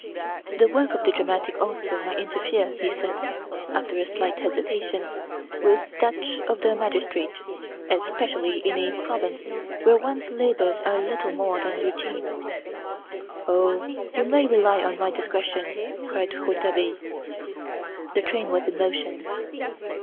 "The work of the dramatic author may interfere," he said, after a slight hesitation, "with that of the magistrate, especially in a province where one's labours are little more than routine." "Oh, you may rely on my discretion!" cried Rouletabille. The train was in motion.